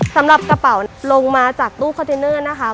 สำหรับกระเป๋าลงมาจากตู้คอนเทนเนอร์นะคะ